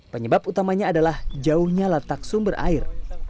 penyebab utamanya adalah jauhnya letak sumber air